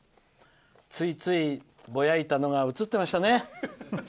ついつい、ぼやいたのが映ってましたね。